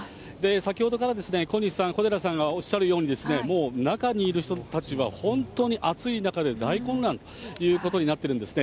先ほどから小西さん、小寺さんがおっしゃるように、もう、中にいる人たちは、本当に暑い中で大混乱ということになっているんですね。